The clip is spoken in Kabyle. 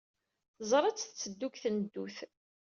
Teẓra-tt tetteddu deg tneddut.